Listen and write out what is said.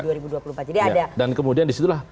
di dua ribu dua puluh empat jadi ada dan kemudian disitulah